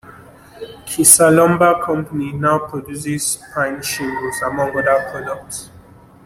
Kiser Lumber company now produces pine shingles, among other products.